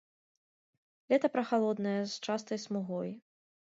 Лета прахалоднае, з частай смугой.